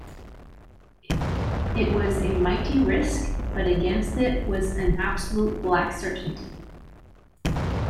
It was a mighty risk, but against it was an absolute black certainty.